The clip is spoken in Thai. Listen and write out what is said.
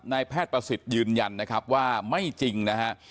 นายแพทย์ประสิทธิ์ยืนยันนะครับว่าไม่จริงนะฮะ